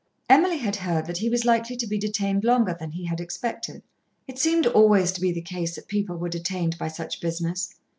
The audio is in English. Emily had heard that he was likely to be detained longer than he had expected. It seemed always to be the case that people were detained by such business.